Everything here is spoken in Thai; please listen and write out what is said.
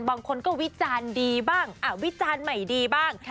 บางคนก็วิจารณ์ดีบ้างวิจารณ์ใหม่ดีบ้าง